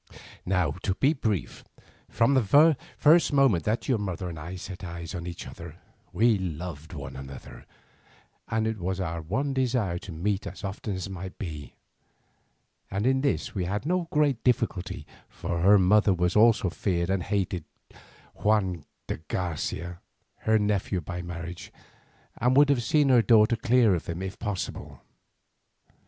"Now to be brief, from the first moment that your mother and I set eyes on each other we loved one another, and it was our one desire to meet as often as might be; and in this we had no great difficulty, for her mother also feared and hated Juan de Garcia, her nephew by marriage, and would have seen her daughter clear of him if possible.